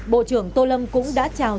bộ trưởng tô lâm cũng đã chào